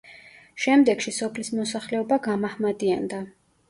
შემდეგში სოფლის მოსახლეობა გამაჰმადიანდა.